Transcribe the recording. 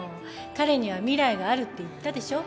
彼には未来があるって言ったでしょ。